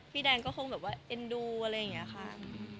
แดงก็คงแบบว่าเอ็นดูอะไรอย่างนี้ค่ะ